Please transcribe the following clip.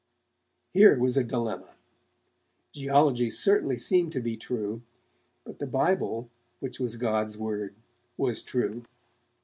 Here was a dilemma! Geology certainly seemed to be true, but the Bible, which was God's word, was true.